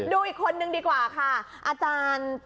ดูอีกคนนึงดีกว่าค่ะอาจารย์